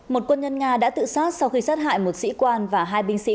một quân nhân nga đã tự sát sau khi sát hại một sĩ quan và hai binh sĩ